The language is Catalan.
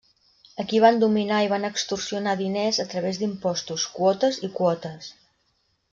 Aquí van dominar i van extorsionar diners a través d'impostos, quotes i quotes.